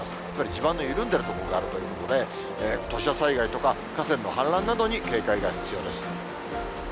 地盤の緩んでいる所があるということで、土砂災害とか河川の氾濫などに警戒が必要です。